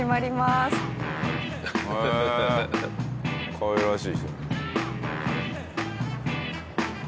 かわいらしい人。